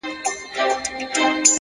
هره پوښتنه د پوهېدو زینه ده!